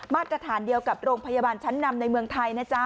มาตรฐานเดียวกับโรงพยาบาลชั้นนำในเมืองไทยนะจ๊ะ